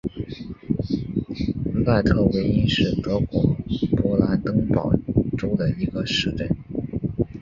赖特韦因是德国勃兰登堡州的一个市镇。